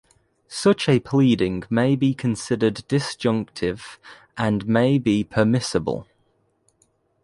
Such a pleading may be considered disjunctive and may be permissible.